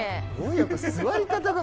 座り方が。